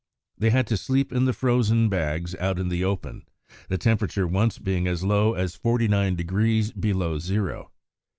They had to sleep in the frozen bags out in the open, the temperature once being as low as 49° below zero.